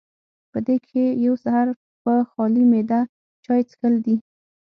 پۀ دې کښې يو سحر پۀ خالي معده چائے څښل دي